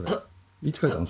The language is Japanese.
いつ描いたの？